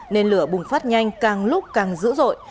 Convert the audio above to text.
nên lửa bùng phát nhanh càng lúc càng dữ dội